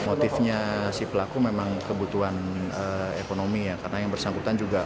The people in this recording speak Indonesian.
motifnya si pelaku memang kebutuhan ekonomi ya karena yang bersangkutan juga